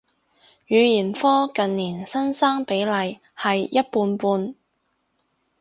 語言科近年新生比例係一半半